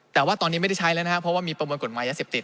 แต่ว่าตอนนี้ไม่ได้ใช้แล้วนะครับเพราะว่ามีประมวลกฎหมายยาเสพติด